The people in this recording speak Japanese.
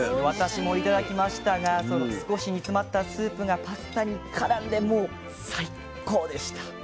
私も頂きましたが少し煮詰まったスープがパスタにからんでもう最高でした。